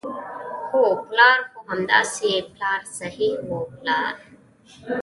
هو، پلار، هو همداسې پلار صحیح وو، پلار.